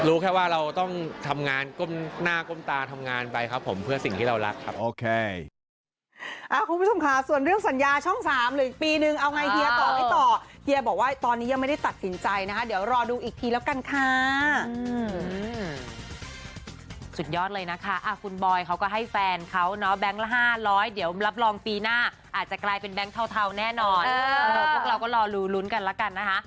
แค่ว่าเราต้องทำงานก้มหน้าก้มตาทำงานไปครับผมเพื่อสิ่งที่เรารักครับโอเค